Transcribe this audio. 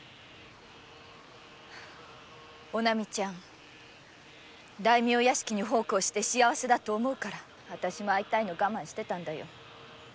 お波ちゃん大名屋敷に奉公して幸せだと思うからあたしも会いたいのを我慢してたんだよ。